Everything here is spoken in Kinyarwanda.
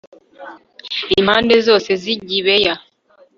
impande zose z i gibeya